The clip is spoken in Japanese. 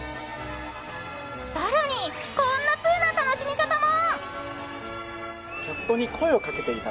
更に、こんなツウな楽しみ方も。